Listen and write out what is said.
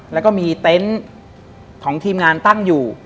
แล้วก็มีเต็นต์ของทีมงานตั้งอยู่